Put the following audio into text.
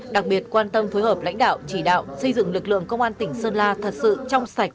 đặc biệt quan tâm phối hợp lãnh đạo chỉ đạo xây dựng lực lượng công an tỉnh sơn la thật sự trong sạch